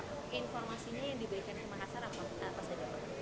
informasinya yang diberikan ke makassar apa saja pak